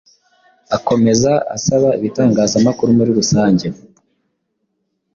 Akomeza asaba ibitangazamakuru muri rusange